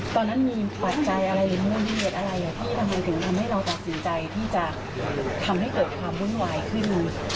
ที่เราตัดสินใจที่จะทำให้เกิดความวุ่นวายขึ้น